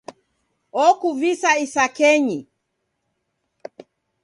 Okuvisa isakenyi.